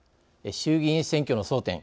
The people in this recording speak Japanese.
衆議院選挙の争点。